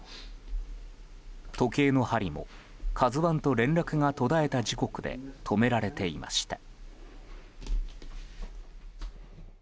時計の針も「ＫＡＺＵ１」と連絡が途絶えた時刻で止められていました。